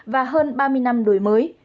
và hơn ba mươi năm đổi mới